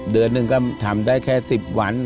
เดือนหนึ่งก็ทำได้แค่๑๐วัน